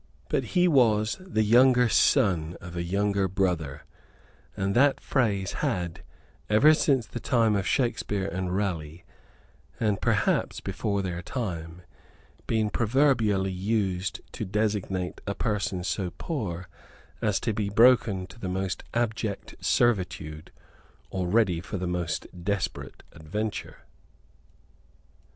But he was the younger son of a younger brother; and that phrase had, ever since the time of Shakspeare and Raleigh, and perhaps before their time, been proverbially used to designate a person so poor as to be broken to the most abject servitude or ready for the most desperate adventure.